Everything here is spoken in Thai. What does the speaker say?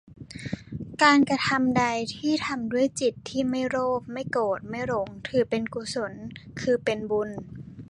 การกระทำใดที่ทำด้วยจิตที่ไม่โลภ ไม่โกรธ ไม่หลง ถือเป็นกุศล คือเป็นบุญ